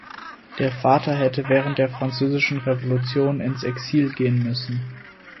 Der Vater hatte während der Französischen Revolution ins Exil gehen müssen.